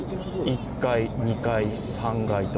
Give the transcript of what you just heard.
１階、２階、３階と。